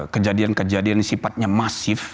kejadian kejadian yang sifatnya masif